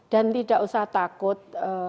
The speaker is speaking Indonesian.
dan tidak usah takut